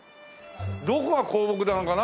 どこが香木なのかなんだか。